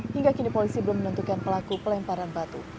hingga kini polisi belum menentukan pelaku pelemparan batu